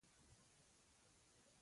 زه به سبا لاړ شم – دا راتلونکی وخت دی.